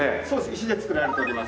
石で造られております。